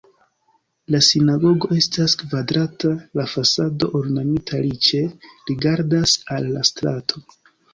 La sinagogo estas kvadrata, la fasado ornamita riĉe rigardas al la strato.